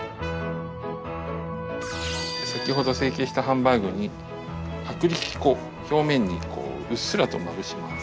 先ほど成形したハンバーグに薄力粉表面にうっすらとまぶします。